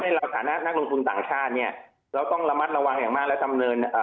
เพราะในสถานการณ์ลงทุนต่างชาติเราต้องระมัดระวังอย่างมาก